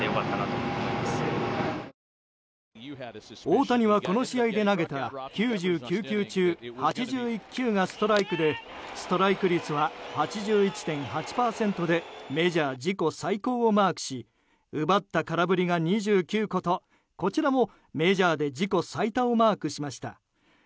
大谷は、この試合で投げた９９球中８１球がストライクでストライク率は８１．８％でメジャー自己最高をマークし奪った空振りが２９個とこちらもメジャーで自己最多をマークしました。